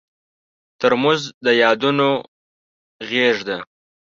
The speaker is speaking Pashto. ترموز د یادونو غېږ ده.